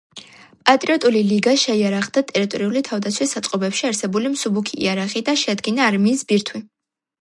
პატრიოტული ლიგა შეიარაღდა ტერიტორიული თავდაცვის საწყობებში არსებული მსუბუქი იარაღით და შეადგინა არმიის ბირთვი.